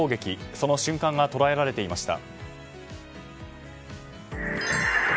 その瞬間が捉えられていました。